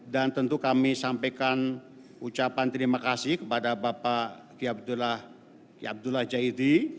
dan tentu kami sampaikan ucapan terima kasih kepada bapak ki abdullah jaidi